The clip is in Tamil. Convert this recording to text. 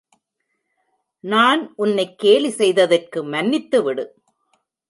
நான் உன்னைக் கேலி செய்ததற்கு மன்னித்து விடு.